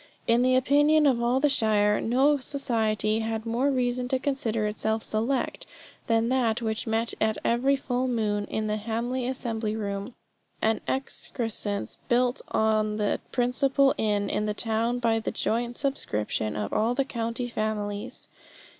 In the opinion of all the shire, no society had more reason to consider itself select than that which met at every full moon in the Hamley assembly room, an excrescence built on to the principal inn in the town by the joint subscription of all the county families.